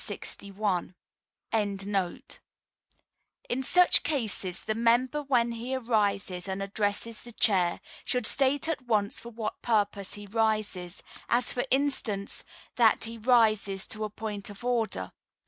] In such cases the member when he arises and addresses the Chair should state at once for what purpose he rises, as, for instance, that he "rises to a point of order."